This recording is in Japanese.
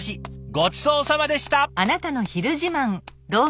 ごちそうさまでした。